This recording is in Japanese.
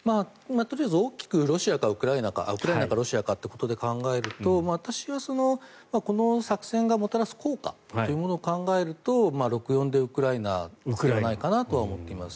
とりあえず大きくロシアかウクライナかってことで考えると私はこの作戦がもたらす効果というものを考えると６対４でウクライナじゃないかなと思っています。